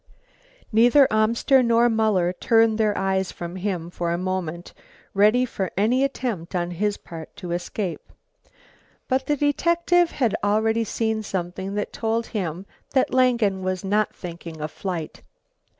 Neither Amster nor Muller turned their eyes from him for a moment, ready for any attempt on his part to escape. But the detective had already seen something that told him that Langen was not thinking of flight.